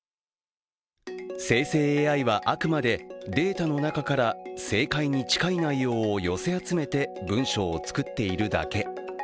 生成ＡＩはあくまで、データの中から正解に近い内容を寄せ集めて文章を作っているだけ。